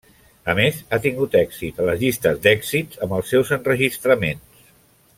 A més ha tingut èxit a les llistes d'èxits amb els seus enregistraments.